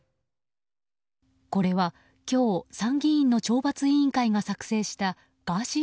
これは今日参議院の懲罰委員会が作成したガーシー